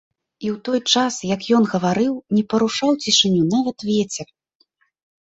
І ў той час, як ён гаварыў, не парушаў цішыню нават вецер.